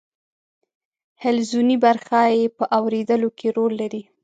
حلزوني برخه یې په اوریدلو کې رول لري.